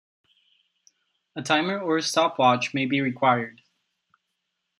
A timer or a stopwatch may be required.